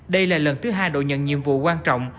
đây là lần thứ hai đội nhận nhiệm vụ quan trọng